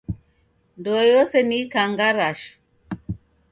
Ndoe yose ni ikangarashu.